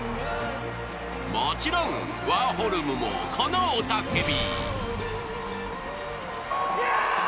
もちろん、ワーホルムもこの雄たけび。